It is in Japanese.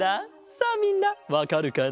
さあみんなわかるかな？